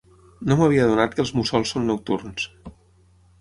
No m'havia adonat que els mussols són nocturns.